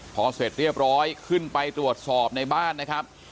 พอเสร็จเรียบร้อยขึ้นไปตรวจสอบในบ้านนะครับ